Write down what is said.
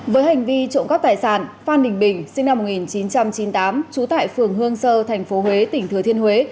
với hành vi trộm cắp tài sản phan đình bình sinh năm một nghìn chín trăm chín mươi tám trú tại phường hương sơ thành phố huế tỉnh thừa thiên huế